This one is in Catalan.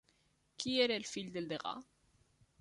Qui era el fill del degà?